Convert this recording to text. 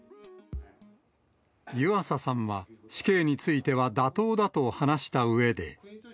湯浅さんは、死刑については妥当だと話したうえで。